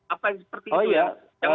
apa seperti itu ya